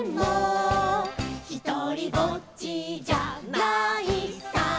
「ひとりぼっちじゃないさ」